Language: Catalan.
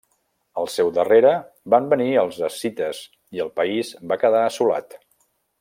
Al seu darrere, van venir els escites i el país va quedar assolat.